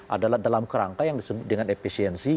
adalah dalam kerangka yang disebut dengan efisiensi